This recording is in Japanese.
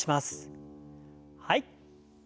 はい。